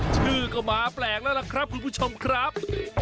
ชื่อก็มาแปลกแล้วล่ะครับคุณผู้ชมครับ